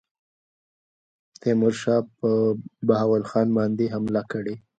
تیمورشاه پر بهاول خان باندي حمله کړې.